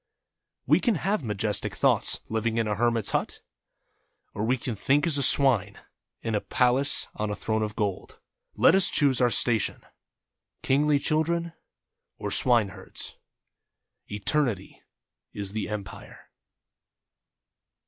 We can have majes tic thoughts, living in a hermit's hut, or we can think as a swine in a palace on a throne of gold — let us choose our station — kingly children, or swineherds. Eternity is the Empire.